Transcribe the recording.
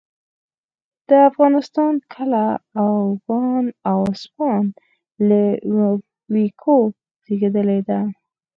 د افغان کله د اوگان او اسپاگان له ويوکو زېږېدلې ده